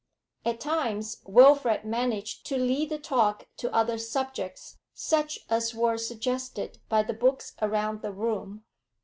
At times Wilfrid managed to lead the talk to other subjects, such as were suggested by the books around the room.